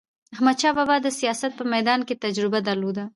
احمدشاه بابا د سیاست په میدان کې تجربه درلوده.